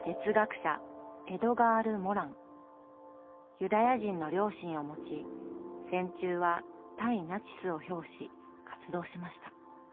ユダヤ人の両親を持ち戦中は対ナチスを表し活動しました。